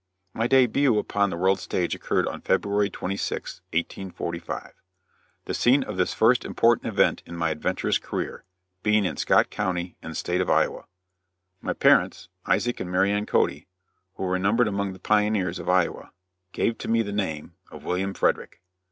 My début upon the world's stage occurred on February 26th, 1845. The scene of this first important event in my adventurous career, being in Scott county, in the State of Iowa. My parents, Isaac and Mary Ann Cody, who were numbered among the pioneers of Iowa, gave to me the name of William Frederick.